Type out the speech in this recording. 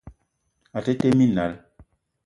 O te tee minal.